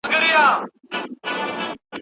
تاسي باید له هر چا سره د هیلو رڼا شریکه کړئ.